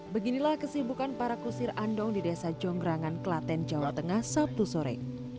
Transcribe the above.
beginilah kesibukan para kusir andong di desa jonggrangan klaten jawa tengah sabtu sore